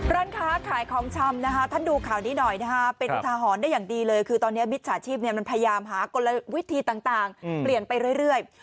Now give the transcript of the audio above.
ร้านค้าขายของชำนะคะท่านดูข่าวนี้หน่อยนะคะเป็นอุทาหรณ์ได้อย่างดีเลยคือตอนนี้มิจฉาชีพมันพยายามหากลวิธีต่างเปลี่ยนไปเรื่อย